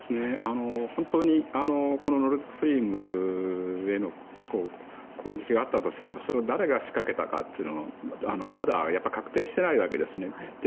本当にノルドストリームへの攻撃があったとしたらそれは誰が仕掛けたかというのはまだ確定していないわけですね。